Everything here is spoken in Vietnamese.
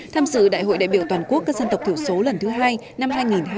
tham dự đại hội đại biểu toàn quốc các dân tộc thiểu số lần thứ hai năm hai nghìn hai mươi bốn